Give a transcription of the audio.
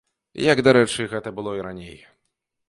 Як дарэчы, гэта было і раней.